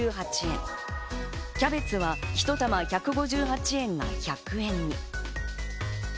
キャベツが１玉１５８円が１００円に。